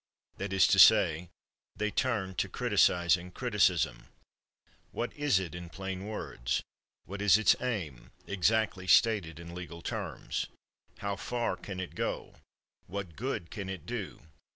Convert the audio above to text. That is to say, they turn to criticizing criticism. What is it in plain words? What is its aim, exactly stated in legal terms? How far can it go? What good can it do?